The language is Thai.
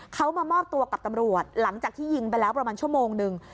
เขามามอบตัวกับตำรวจหลังจากที่ยิงไปแล้วประมาณชั่วโมงนึง